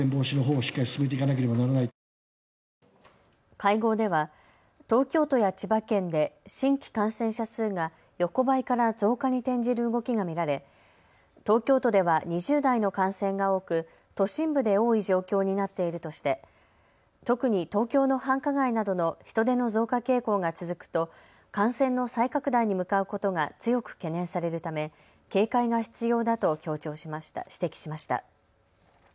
会合では東京都や千葉県で新規感染者数が横ばいから増加に転じる動きが見られ、東京都では２０代の感染が多く都心部で多い状況になっているとして特に東京の繁華街などの人出の増加傾向が続くと感染の再拡大に向かうことが強く懸念されるため、警戒が必要だと指摘しました。